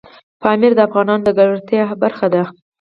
پامیر د افغانانو د ګټورتیا برخه ده.